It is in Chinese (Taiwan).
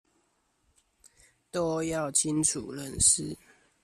都要清楚認識